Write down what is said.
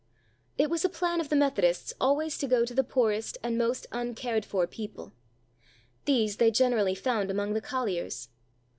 It was a plan of the Methodists always to go to the poorest and most uncared for people. These they generally found among the colliers.